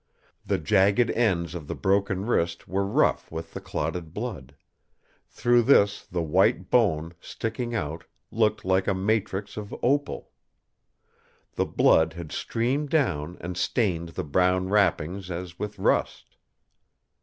The jagged ends of the broken wrist were rough with the clotted blood; through this the white bone, sticking out, looked like the matrix of opal. The blood had streamed down and stained the brown wrappings as with rust.